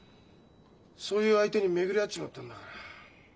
そういう相手に巡り会っちまったんだから。